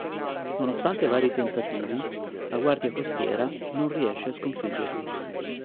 Nonostante vari tentativi la Guardia Costiera non riesce a sconfiggerli.